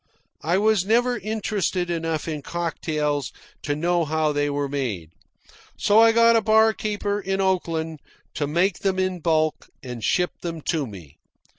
I was never interested enough in cocktails to know how they were made. So I got a bar keeper in Oakland to make them in bulk and ship them to me.